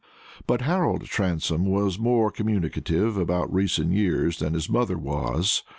But Harold Transome was more communicative about recent years than his mother was.